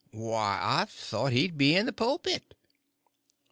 "Why, I thought he'd be in the pulpit."